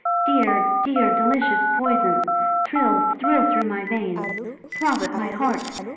Dear, dear, delicious poison! thrill, thrill through my veins! throb at my heart!